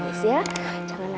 mama juga pikir sama mira